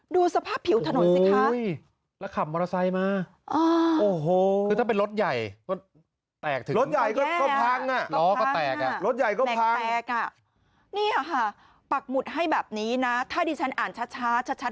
ดูสภาพผิวถนนสิคะ